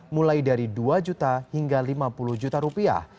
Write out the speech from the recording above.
mulai dari rp dua juta hingga rp lima puluh juta